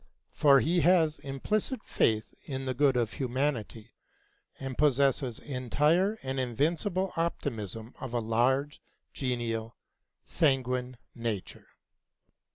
For he has implicit faith in the good in humanity, and possesses entire the invincible optimism of a large, genial, sanguine nature.